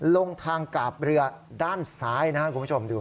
ลงทางกาบเรือด้านซ้ายนะครับคุณผู้ชมดู